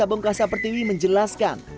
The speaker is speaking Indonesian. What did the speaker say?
pembangunan berkompensasi berupa hewan ternak